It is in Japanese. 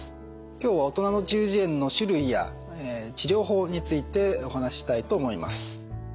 今日は大人の中耳炎の種類や治療法についてお話ししたいと思います。